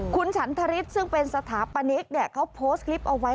คุณฉันทริสซึ่งเป็นสถาปนิกเขาโพสต์คลิปเอาไว้